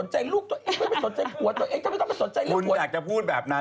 ฉันกำลังแปล